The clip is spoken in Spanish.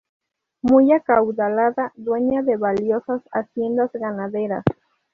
Muy acaudalada, dueña de valiosas haciendas ganaderas.